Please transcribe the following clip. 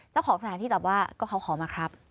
เจ้าของสถานที่จับว่าก็เขาขอมาครับ